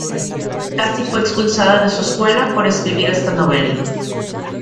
Casi fue expulsada de su escuela por escribir esta novela.